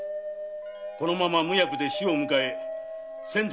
このまま無役で死を迎え先祖